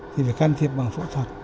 thì phải can thiệp bằng phẫu thuật